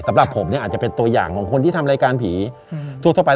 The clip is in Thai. สำหรับผมเนี่ยอาจจะเป็นตัวอย่างของคนที่ทำรายการผีทั่วไป